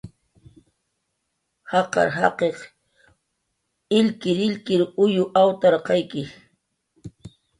Jaqar jaqi illkirillkir uyw awtarqayki